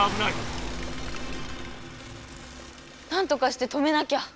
なんとかして止めなきゃ。